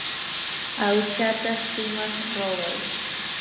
aychata shumaq ruquy.